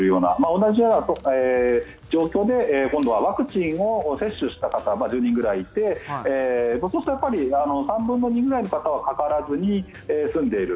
同じような状況で今度はワクチンを接種した方、１０人ぐらいいて３分の２ぐらいの方はかからずに済んでいる。